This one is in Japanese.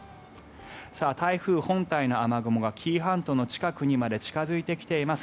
台風本体の雨雲が紀伊半島の近くにまで近付いてきています。